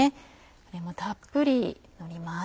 これもたっぷりのります。